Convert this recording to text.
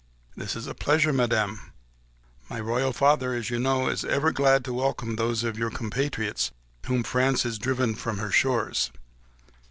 "This is a pleasure, Madame; my royal father, as you know, is ever glad to welcome those of your compatriots whom France has driven from her shores."